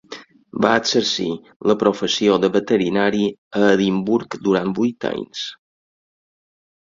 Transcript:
Va exercir la professió de veterinari a Edimburg durant vuit anys.